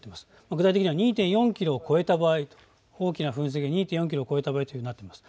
具体的には２．４キロを越えた場合と大きな噴石が２．４キロを越えた場合となっています。